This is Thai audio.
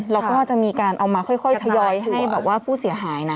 แล้วก็จะมีการเอามาค่อยทยอยให้แบบว่าผู้เสียหายนะ